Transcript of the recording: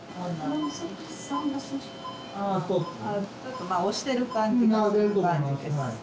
ちょっと押してる感じがする感じです